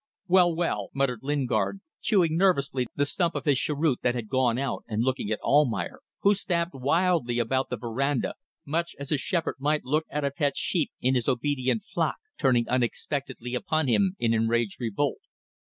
"Well, well!" muttered Lingard, chewing nervously the stump of his cheroot that had gone out and looking at Almayer who stamped wildly about the verandah much as a shepherd might look at a pet sheep in his obedient flock turning unexpectedly upon him in enraged revolt.